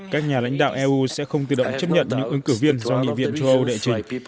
các nhà lãnh đạo eu sẽ không tự động chấp nhận những ứng cử viên do nghị viện châu âu đệ trình